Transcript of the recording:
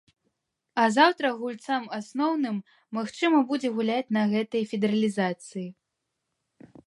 А заўтра гульцам асноўным магчыма будзе гуляць на гэтай федэралізацыі.